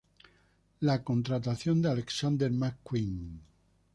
La contratación de Alexander McQueen.